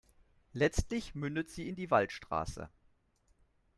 Letztlich mündet sie in die Wallstraße.